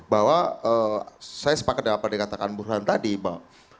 bahwa saya sepakat dengan apa yang dikatakan bu rohan tadi mbak